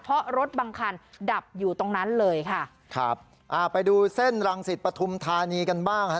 เพราะรถบางคันดับอยู่ตรงนั้นเลยค่ะครับอ่าไปดูเส้นรังสิตปฐุมธานีกันบ้างฮะ